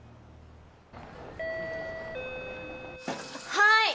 はい！